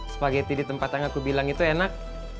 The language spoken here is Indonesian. spaghetti di tempat yang aku bilang itu enak